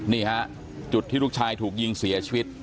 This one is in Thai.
นี่ฮะจุดที่ลูกชายถูกยิงเสียชีวิต